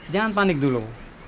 jangan panik dulu